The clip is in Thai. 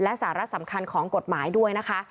และสาระสำคัญของกฎหมายด้วยนะคะ